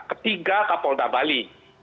ketiga kapolda bali